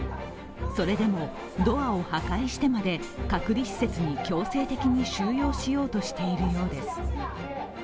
それでも、ドアを破壊してまで隔離施設に強制的に収容しようとしているようです。